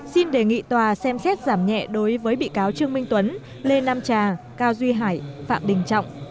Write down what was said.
xin đề nghị tòa xem xét giảm nhẹ đối với bị cáo trương minh tuấn lê nam trà cao duy hải phạm đình trọng